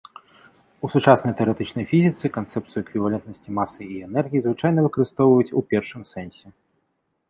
У сучаснай тэарэтычнай фізіцы канцэпцыю эквівалентнасці масы і энергіі звычайна выкарыстоўваюць у першым сэнсе.